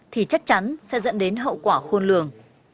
thì chắc chắn sẽ dẫn đến hậu quả khôn lường